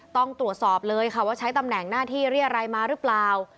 ต้องตรวจสอบเลยค่ะว่าใช้ตำแหน่งหน้าที่เรียรัยมาหรือเปล่า